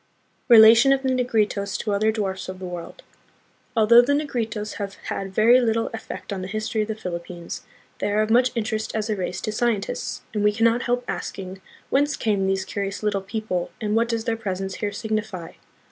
Relation of the Negritos to Other Dwarfs of the World. Although the Negritos have had very little ef fect on the history of the Philippines, they are of much interest as a race to scientists, and we can not help asking, Whence came these curious little people, and what does their presence here signify?